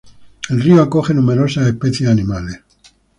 El río acoge numerosas especies animales.